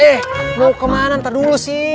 eh mau kemana ntar dulu sih